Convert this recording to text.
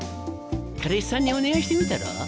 彼氏さんにお願いしてみたら？